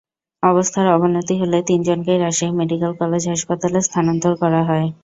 অবস্থার অবনতি হলে তিনজনকেই রাজশাহী মেডিকেল কলেজ হাসপাতালে স্থানান্তর করা হয়।